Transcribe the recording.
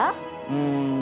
うん。